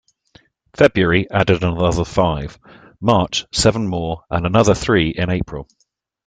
February added another five, March seven more, and another three in April.